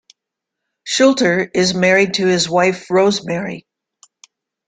Schulter is married to his wife, Rosemary.